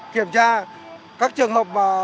kiểm tra các trường hợp